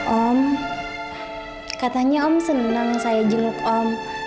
om katanya om senang saya jenguk om